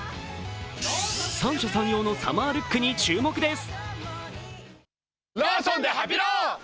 三者三様のサマールックに注目です。